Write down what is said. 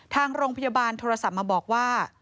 ทางโรงพยาบาลโทรศัพท์มาบอกว่า